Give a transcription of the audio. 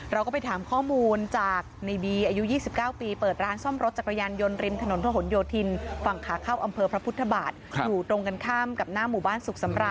เราก็ไปถามข้อมูลจากในบีอายุ๒๙ปีเปิดร้านซ่อมรถจักรยานยนต์